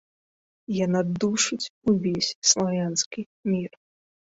Яна душыць увесь славянскі мір.